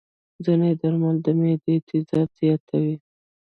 ځینې درمل د معدې تیزاب زیاتوي.